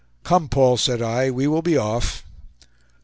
"Come, Paul," said I, "we will be off."